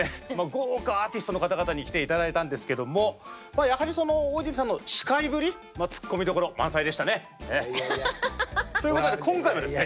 豪華アーティストの方々に来て頂いたんですけどもやはり大泉さんの司会ぶりツッコミどころ満載でしたね。ということで今回はですね。